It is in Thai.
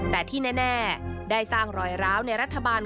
แต่ที่แน่ได้สร้างรอยร้าวในรัฐบาล